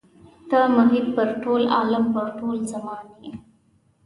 ته محیط پر ټول عالم پر ټول زمان یې.